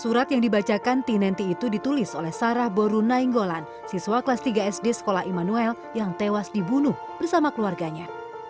surat yang dibacakan tinenti itu ditulis oleh sarah boru nainggolan siswa kelas tiga sd sekolah immanuel yang tewas dibunuh bersama keluarganya